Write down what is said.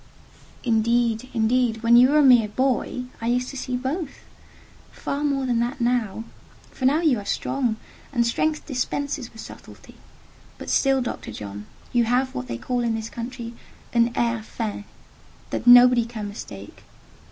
"Indeed—indeed—when you were a mere boy I used to see both: far more then than now—for now you are strong, and strength dispenses with subtlety. But still,—Dr. John, you have what they call in this country 'un air fin,' that nobody can, mistake.